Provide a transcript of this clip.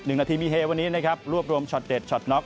หนึ่งนาทีมีเฮวันนี้นะครับรวบรวมช็อตเด็ดช็อตน็อก